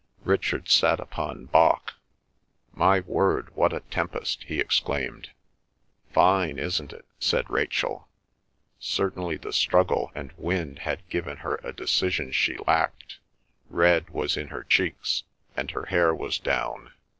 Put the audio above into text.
Richard sat upon Bach. "My word! What a tempest!" he exclaimed. "Fine, isn't it?" said Rachel. Certainly the struggle and wind had given her a decision she lacked; red was in her cheeks, and her hair was down.